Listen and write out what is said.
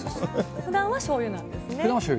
ふだんはしょうゆです。